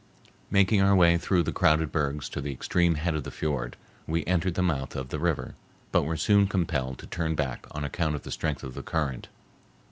Making our way through the crowded bergs to the extreme head of the fiord, we entered the mouth of the river, but were soon compelled to turn back on account of the strength of the current.